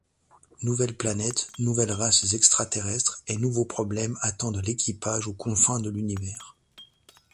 Nouvelles planètes, nouvelles races extra-terrestres et nouveaux problèmes attendent l'équipage aux confins de l'univers.